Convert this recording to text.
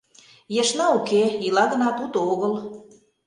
Ешна уке — ила гынат, уто огыл.